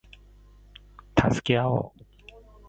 助け合おう